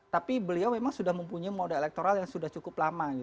tapi beliau memang sudah mempunyai modal elektoral yang sudah cukup lama